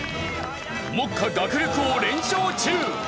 目下学力王連勝中。